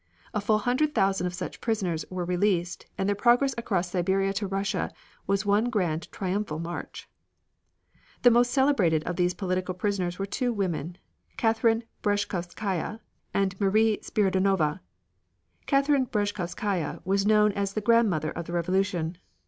A full hundred thousand of such prisoners were released, and their progress across Siberia to Russia was one grand triumphal march. The most celebrated of these political prisoners were two women, Catherine Breshkovskaya and Marie Spiridonova. Catherine Breshkovskaya was known as the grandmother of the revolution.